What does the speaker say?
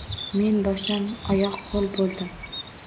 Men boshdan oyoq ho’l bo’ldim.